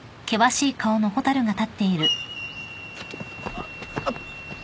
・あっあっ。